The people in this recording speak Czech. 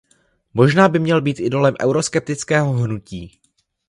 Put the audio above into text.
Možná by měl být idolem euroskeptického hnutí.